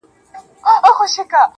درد زغمي.